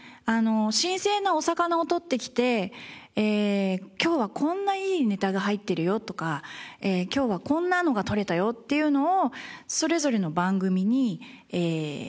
新鮮なお魚を取ってきて今日はこんないいネタが入ってるよとか今日はこんなのが取れたよっていうのをそれぞれの番組に伝える。